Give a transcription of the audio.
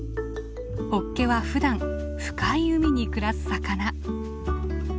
ホッケはふだん深い海に暮らす魚。